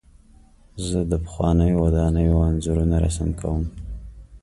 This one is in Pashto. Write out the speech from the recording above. زه د پخوانیو ودانیو انځورونه رسم کوم.